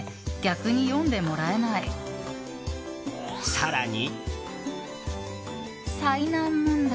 更に。